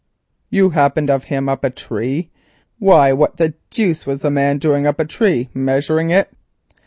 "You happened of him up a tree. Why what the deuce was the man doing up a tree—measuring it?"